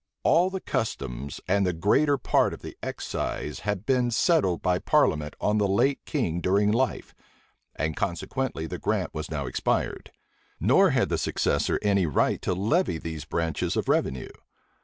All the customs and the greater part of the excise had been settled by parliament on the late king during life, and consequently the grant was now expired; nor had the successor any right to levy these branches of revenue.